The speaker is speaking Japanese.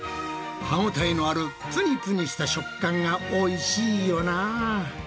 歯応えのあるぷにぷにした食感がおいしいよな。